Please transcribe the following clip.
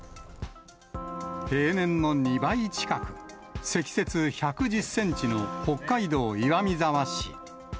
平年の２倍近く、積雪１１０センチの北海道岩見沢市。